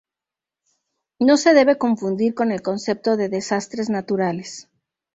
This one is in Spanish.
No se debe confundir con el concepto de desastres naturales.